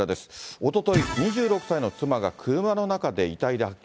おととい、２６歳の妻が車の中で遺体で発見。